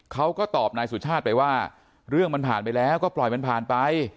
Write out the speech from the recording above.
เขาก็ตอบนายสุชาติไปว่าเรื่องมันผ่านไปแล้วก็ปล่อยมันผ่านไป